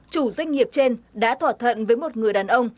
chủ doanh nghiệp trên đã thỏa thuận với một người đàn ông